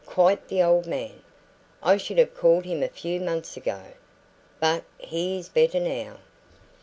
Quite the old man, I should have called him a few months ago. But he is better now."